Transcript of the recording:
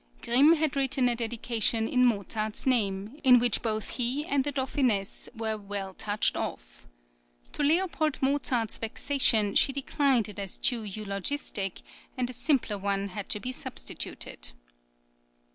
Grimm had written a dedication in Mozart's name, in which both he and the Dauphiness were well touched off. {FIRST JOURNEY.} (38) To L. Mozart's vexation she declined it as too eulogistic, and a simpler one had to be substituted.